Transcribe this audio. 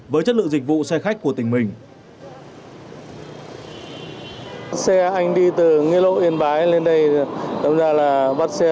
với chất lượng dịch vụ xe khách của tỉnh mình xe anh đi từ nghĩa lộ yên bái lên đây làm ra là bắt xe